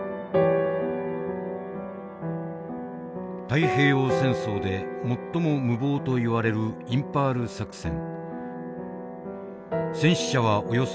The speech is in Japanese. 太平洋戦争で最も無謀といわれるインパール作戦。